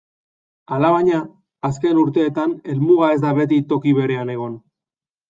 Alabaina, azken urteetan helmuga ez da beti toki berean egon.